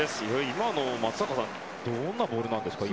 今の松坂さんどんなボールですかね。